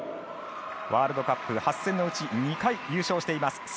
ワールドカップ８戦のうち２回優勝しています。